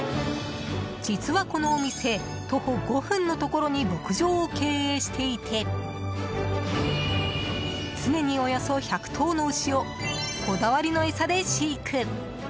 実は、このお店徒歩５分のところに牧場を経営していて常におよそ１００頭の牛をこだわりの餌で飼育。